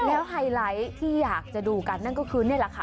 แล้วไฮไลท์ที่อยากจะดูกันนั่นก็คือนี่แหละค่ะ